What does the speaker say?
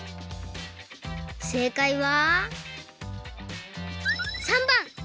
せいかいは３ばん！